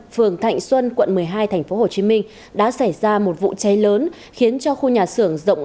phường thạnh xuân quận một mươi hai tp hcm đã xảy ra một vụ cháy lớn khiến cho khu nhà xưởng rộng